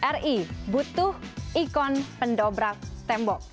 ri butuh ikon pendobrak tembok